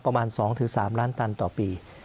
ประมาณ๒๓ล้านตันต่อปี